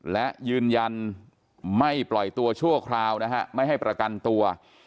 และยืนยันไม่ปล่อยตัวชั่วคราวนะฮะไม่ให้ประกันตัว